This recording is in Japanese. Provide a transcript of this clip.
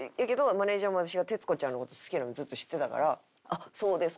マネジャーも私が徹子ちゃんの事好きなのずっと知ってたから「あっそうですか」。